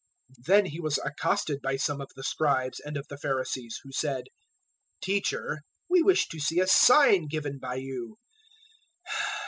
012:038 Then He was accosted by some of the Scribes and of the Pharisees who said, "Teacher, we wish to see a sign given by you."